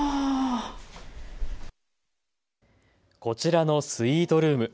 こちらのスイートルーム。